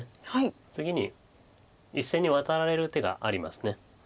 次に１線にワタられる手があります。